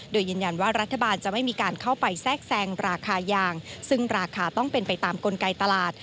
โดยยืนยันว่ารัฐบาลจะไม่มีการเข้าไปแทรกแซงราคายางซึ่งราคาต้องเป็นไปตามกลไกตลาด